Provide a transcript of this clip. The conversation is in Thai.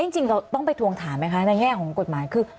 จริงเราต้องไปทวงถามไหมคะในแง่ของกฎหมายคือ